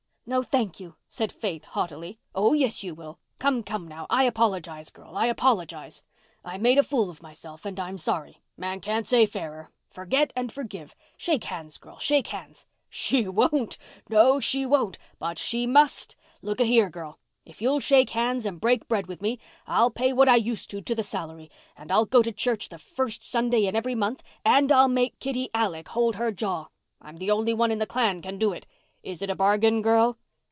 "No, thank you," said Faith haughtily. "Oh, yes, you will. Come, come now, I apologize, girl—I apologize. I made a fool of myself and I'm sorry. Man can't say fairer. Forget and forgive. Shake hands, girl—shake hands. She won't—no, she won't! But she must! Look a here, girl, if you'll shake hands and break bread with me I'll pay what I used to to the salary and I'll go to church the first Sunday in every month and I'll make Kitty Alec hold her jaw. I'm the only one in the clan can do it. Is it a bargain, girl?"